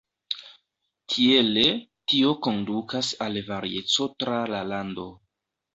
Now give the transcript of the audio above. Tiele, tio kondukas al varieco tra la lando.